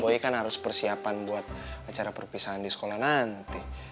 pokoknya kan harus persiapan buat acara perpisahan di sekolah nanti